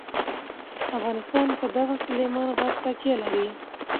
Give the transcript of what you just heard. افغانستان په دغه سلیمان غر تکیه لري.